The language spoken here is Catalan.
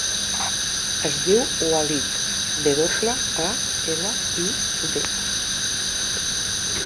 Es diu Walid: ve doble, a, ela, i, de.